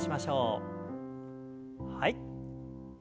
はい。